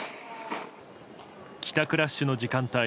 帰宅ラッシュの時間帯